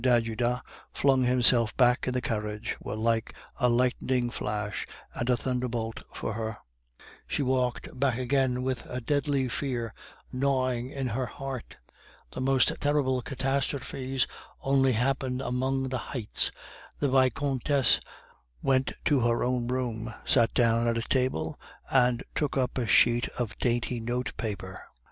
d'Ajuda flung himself back in the carriage, were like a lightning flash and a thunderbolt for her; she walked back again with a deadly fear gnawing at her heart. The most terrible catastrophes only happen among the heights. The Vicomtesse went to her own room, sat down at a table, and took up a sheet of dainty notepaper.